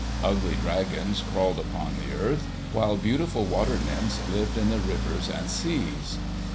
Ugly dragons crawled about on the earth; while beautiful water nymphs lived in the rivers and seas.